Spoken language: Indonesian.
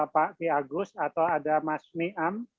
pak fiagus atau ada mas ni'am